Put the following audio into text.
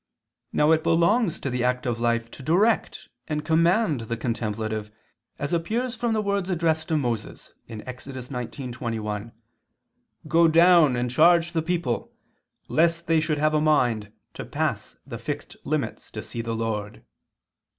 Now it belongs to the active life to direct and command the contemplative, as appears from the words addressed to Moses (Ex. 19:21), "Go down and charge the people, lest they should have a mind to pass the" fixed "limits to see the Lord."